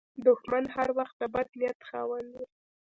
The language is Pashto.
دښمن هر وخت د بد نیت خاوند وي